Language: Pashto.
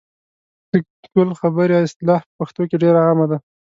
د ګل خبرې اصطلاح په پښتو کې ډېره عامه ده.